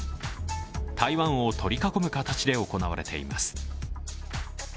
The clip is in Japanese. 台湾を取り囲む形で行われています。